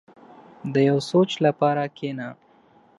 • د یو سوچ لپاره کښېنه.